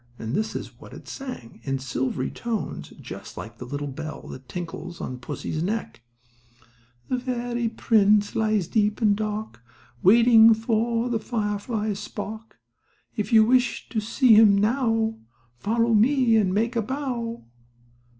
And this is what it sang, in silvery tones, just like the little bell that tinkles on pussy's neck: The fairy prince lies deep and dark, Waiting for the firefly's spark; If you wish to see him now, Follow me, and make a bow.